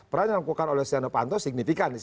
peran yang dilakukan oleh stiano panto signifikan